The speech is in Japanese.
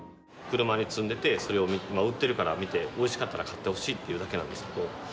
車に積んでてそれを売ってるから見ておいしかったら買ってほしいっていうだけなんですけど。